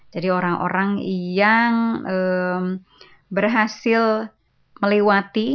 jadi orang orang yang berhasil melewati